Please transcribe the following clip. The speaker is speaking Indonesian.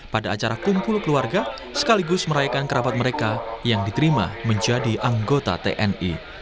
pada acara kumpul keluarga sekaligus merayakan kerabat mereka yang diterima menjadi anggota tni